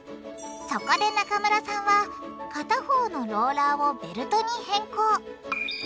そこで中村さんは片方のローラーをベルトに変更。